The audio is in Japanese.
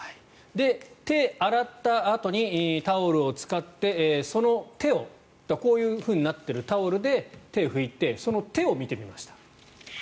手を洗ったあとにタオルを使ってその手を、こういうふうになっているタオルで手を拭いてその手を見てみました。